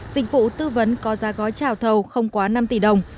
dịch vụ tư vấn có giá gói trào thầu không quá năm tỷ đồng